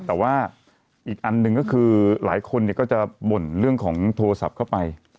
แต่ว่าอีกอันหนึ่งก็คือหลายคนก็จะบ่นเรื่องของโทรศัพท์เข้าไป